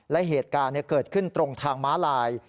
และเหตุการณ์เกิดขึ้นตรงทางม้าลาย